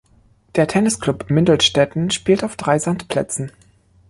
Der Tennisclub Mindelstetten spielt auf drei Sandplätzen.